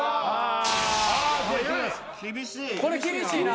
これ厳しいな。